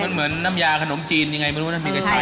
มันเหมือนน้ำยาขนมจีนยังไงไม่รู้ถ้ามีกระชาย